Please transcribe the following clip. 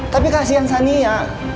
tapi kasihan sania